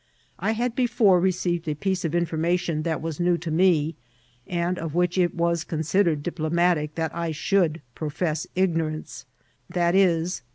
I had before received a piece of infor mation that was new to me, and of which it was con* sidered diplomatic that I cAiould profess ignorance, viz.